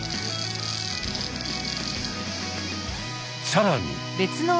さらに！